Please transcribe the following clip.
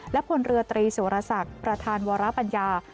และพลเรือตรีสุรศักดิ์ประธานวรปัญญา